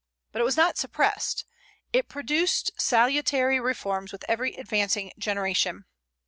But it was not suppressed; it produced salutary reforms with every advancing generation.